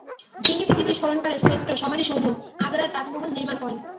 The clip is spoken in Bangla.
তিনি পৃথিবীর স্মরণকালের শ্রেষ্ঠ সমাধিসৌধ "আগ্রার তাজমহল" নির্মাণ করেন।